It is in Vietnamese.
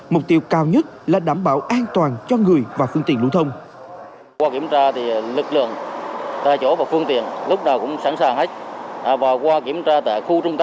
mục tiêu cao nhất là đảm bảo an toàn cho người và phương tiện lưu thông